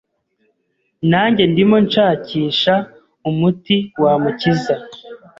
nanjye ndimo nshakisha umuti wamukiza.